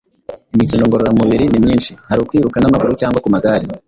Imikino ngororamubiri ni myinshi; Hari ukwiruka n’amaguru cyangwa ku magare,